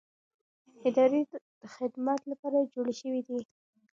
ادارې د خدمت لپاره جوړې شوې دي